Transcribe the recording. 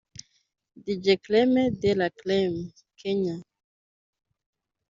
Dj Creme de la Creme (Kenya)